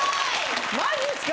マジっすか？